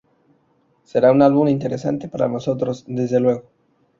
Será un álbum interesante para nosotros, desde luego.